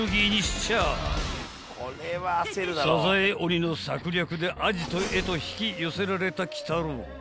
［さざえ鬼の策略でアジトへと引き寄せられた鬼太郎］